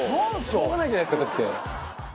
しょうがないじゃないですかだって。